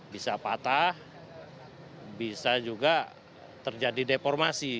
bisa patah bisa juga terjadi deformasi